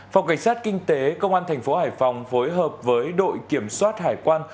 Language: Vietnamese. phòng cảnh sát kinh tế công an tp hải phòng phối hợp với đội kiểm soát hải quan